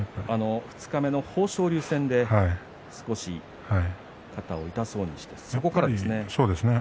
二日目の豊昇龍戦で少し肩を痛そうにしてそこからですね。